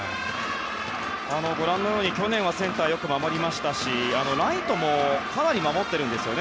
ご覧のように、去年はセンターをよく守りましたしライトもかなり守っているんですね